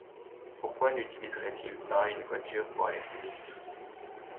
Pourquoi n’utiliserait-il pas une voiture pour aller plus vite ?